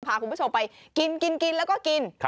พาคุณพระโชว์ไปกินกินกินแล้วก็กิน